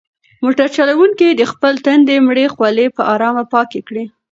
موټر چلونکي د خپل تندي مړې خولې په ارامه پاکې کړې.